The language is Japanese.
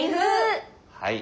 はい。